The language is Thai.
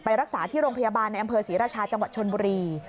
รักษาที่โรงพยาบาลในอำเภอศรีราชาจังหวัดชนบุรี